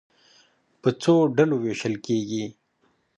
په څو ډلو وېشل کېږي.